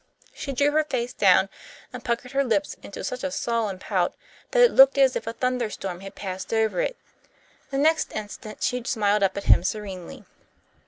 She drew her face down and puckered her lips into such a sullen pout that it looked as if a thunder storm had passed over it. The next instant she smiled up at him serenely.